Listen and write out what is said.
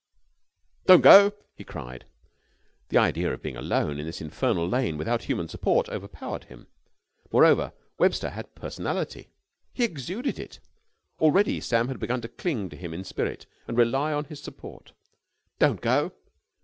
"Don't go!" he cried. The idea of being alone in this infernal lane, without human support, overpowered him. Moreover, Webster had personality. He exuded it. Already Sam had begun to cling to him in spirit, and rely on his support. "Don't go!"